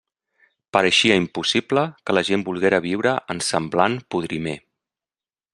Pareixia impossible que la gent volguera viure en semblant podrimer.